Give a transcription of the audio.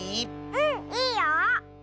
うんいいよ！